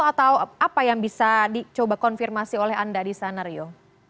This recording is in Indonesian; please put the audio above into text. atau apa yang bisa dicoba konfirmasi oleh anda di sana rio